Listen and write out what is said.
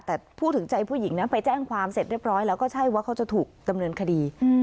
แต่พูดถึงใจผู้หญิงนะไปแจ้งความเสร็จเรียบร้อยแล้วก็ใช่ว่าเขาจะถูกดำเนินคดี